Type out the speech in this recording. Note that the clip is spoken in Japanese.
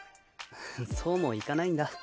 そうもいかないんだ。